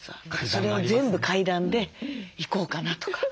それを全部階段で行こうかなとか。